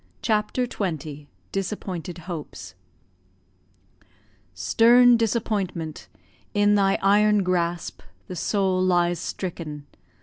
CHAPTER XX DISAPPOINTED HOPES Stern Disappointment, in thy iron grasp The soul lies stricken.